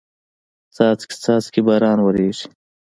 څاڅکي څاڅکي باران وریږي